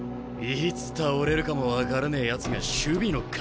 いつ倒れるかも分からねえやつが守備のカバー？